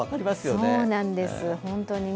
そうなんです、ホントにね。